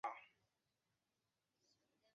萝岗车辆段是广州地铁六号线的车辆段。